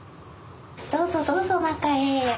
どうぞどうぞ中へ。